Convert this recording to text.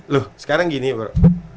loh sekarang gini bro